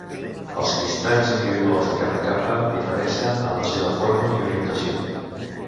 Els cristalls individuals de cada capa difereixen en la seva forma i orientació.